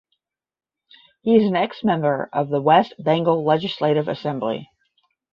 He is an ex member of West Bengal Legislative Assembly.